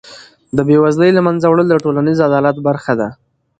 د بېوزلۍ له منځه وړل د ټولنیز عدالت برخه ده.